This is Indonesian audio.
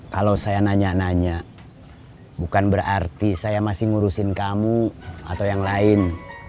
kalau saya nanya nanya bukan berarti saya masih ngurusin kamu atau yang lain